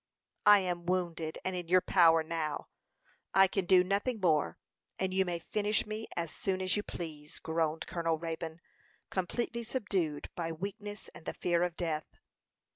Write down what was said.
"I am wounded and in your power now; I can do nothing more, and you may finish me as soon as you please," groaned Colonel Raybone, completely subdued by weakness and the fear of death.